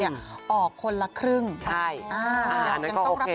๑๙๕๕ติ่งออกคนละครึ่งอ่ะอย่างนั้นก็โอเค